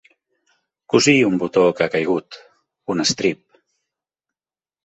Cosir un botó que ha caigut, un estrip.